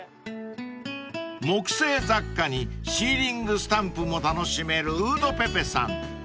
［木製雑貨にシーリングスタンプも楽しめるＷＯＯＤＰＥＰＥさん］